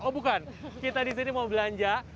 oh bukan kita di sini mau belanja